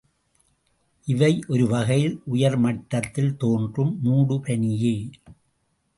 இவை ஒருவகையில் உயர்மட்டத்தில் தோன்றும் மூடுபனியே.